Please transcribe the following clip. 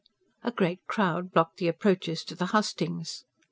A great crowd blocked the approaches to the hustings.